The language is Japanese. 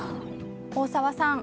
大沢さん